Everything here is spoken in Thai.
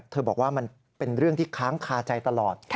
บอกว่ามันเป็นเรื่องที่ค้างคาใจตลอด